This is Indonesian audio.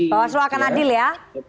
bawaslu akan adil ya